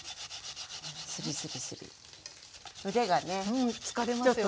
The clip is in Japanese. うん疲れますよね。